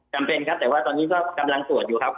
จำเป็นครับแต่ว่าตอนนี้ก็กำลังตรวจอยู่ครับ